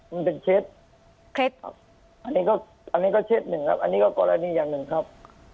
มันเป็นเช็ดอันนี้ก็เช็ดหนึ่งครับอันนี้ก็กรณีอย่างหนึ่งครับ